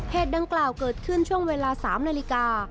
ดังกล่าวเกิดขึ้นช่วงเวลา๓นาฬิกา